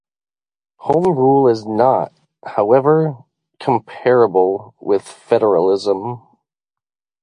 Home rule is not, however, comparable with federalism.